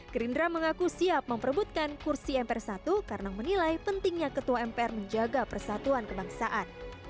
gerindra mengaku siap memperbutkan kursi mpr satu karena menilai pentingnya ketua mpr menjaga persatuan kebangsaan